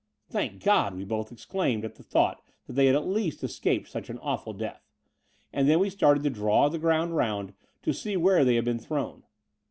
*' Thank God, *' we both exclaimed at the thought that they had at least escaped such an awful death : and then we started to draw the ground round to see where they had been thrown.